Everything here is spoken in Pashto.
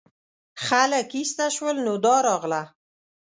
خلک ایسته شول نو دا راغله.